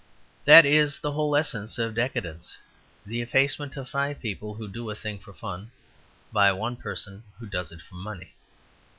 That is the whole essence of decadence, the effacement of five people who do a thing for fun by one person who does it for money.